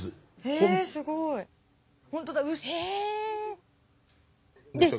えすごい。へえ。